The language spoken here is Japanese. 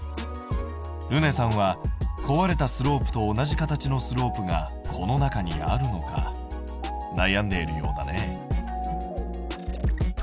るねさんは壊れたスロープと同じ形のスロープがこの中にあるのか悩んでいるようだね。